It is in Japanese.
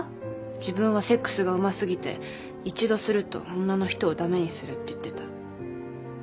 自分はセックスがうますぎて１度すると女の人をだめにするって言ってた。